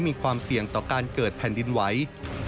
มีความเสี่ยงต่อการเกิดแผ่นดินไหว